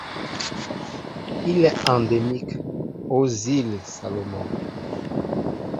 Il est endémique aux îles Salomon.